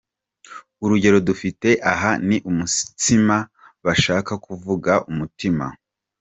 Urugero dufite aha ni ‘umutsima…’ bashaka kuvuga ‘umutima’.